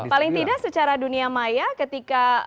paling tidak secara dunia maya ketika